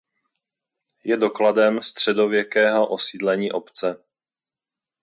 Je dokladem středověkého osídlení obce.